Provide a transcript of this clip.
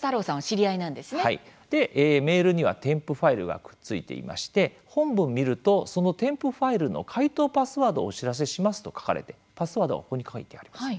メールには添付ファイルがくっついていまして本文見るとその添付ファイルの解凍パスワードをお知らせしますと書かれてパスワードはここに書いてあります。